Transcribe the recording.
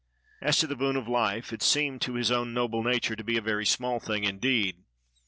As to the boon of life, it seemed to his own noble nature to be a very small thing indeed.